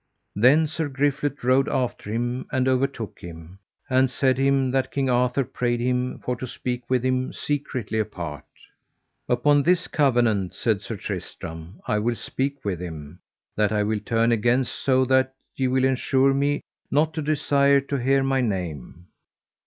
Then Sir Griflet rode after him and overtook him, and said him that King Arthur prayed him for to speak with him secretly apart. Upon this covenant, said Sir Tristram, I will speak with him; that I will turn again so that ye will ensure me not to desire to hear my name.